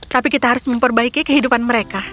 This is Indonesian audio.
tapi kita harus memperbaiki kehidupan mereka